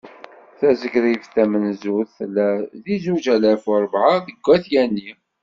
Tazrigt tamenzut, tella deg zuǧ alaf u rebεa deg At Yanni.